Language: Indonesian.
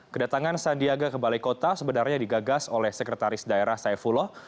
kedatangan sandiaga ke balai kota sebenarnya digagas oleh sekretaris daerah saifullah